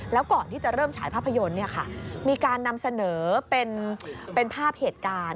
แล้วก่อนที่จะเริ่มฉายภาพยนตร์มีการนำเสนอเป็นภาพเหตุการณ์